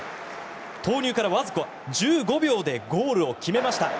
投入からわずか１５秒でゴールを決めました。